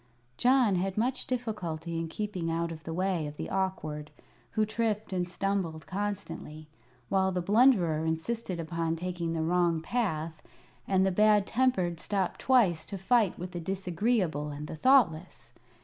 John had much difficulty in keeping out of the way of the Awkward, who tripped and stumbled constantly, while the Blunderer insisted upon taking the wrong path, and the Bad Tempered stopped twice to fight with the Disagreeable and the Thoughtless.